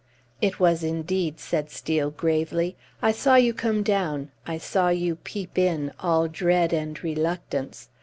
"It was, indeed," said Steel, gravely. "I saw you come down, I saw you peep in all dread and reluctance!